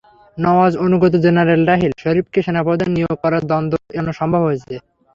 নওয়াজ-অনুগত general Raheel শরিফকে সেনাপ্রধান নিয়োগ করায় দ্বন্দ্ব এড়ানো সম্ভব হয়েছে।